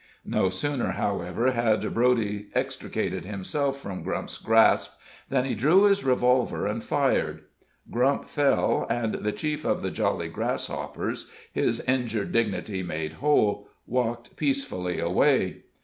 No sooner, however, had Broady extricated himself from Grump's grasp than he drew his revolver and fired. Grump fell, and the chief of the Jolly Grasshoppers, his injured dignity made whole, walked peacefully away.